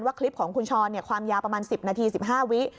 คลิปของคุณช้อนความยาวประมาณ๑๐นาที๑๕วิ